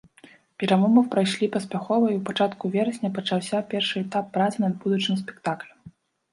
Перамовы прайшлі паспяхова, і ў пачатку верасня пачаўся першы этап працы над будучым спектаклем.